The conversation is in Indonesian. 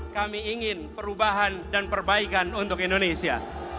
kami ingin perubahan dan perbaikan untuk indonesia